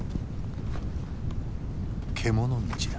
獣道だ。